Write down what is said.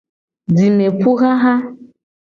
Jimepuxaxa.